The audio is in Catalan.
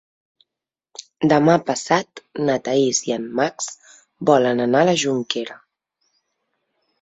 Demà passat na Thaís i en Max volen anar a la Jonquera.